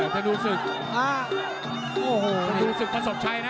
ธนูศึกธนูศึกประสบชัยนะ